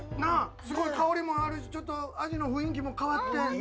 すごい香りもあるしちょっとアジの雰囲気も変わって。